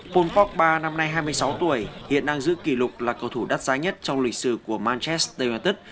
pol pot ba năm nay hai mươi sáu tuổi hiện đang giữ kỷ lục là cầu thủ đắt giá nhất trong lịch sử của manchester united